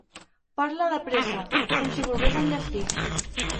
Parla de pressa, com si volgués enllestir.